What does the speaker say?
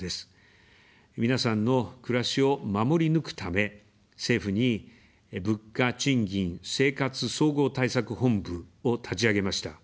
皆さんの暮らしを守り抜くため、政府に「物価・賃金・生活総合対策本部」を立ち上げました。